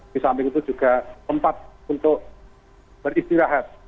di samping itu juga tempat untuk beristirahat